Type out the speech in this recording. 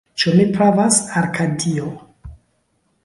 Ĉu mi pravas, Arkadio?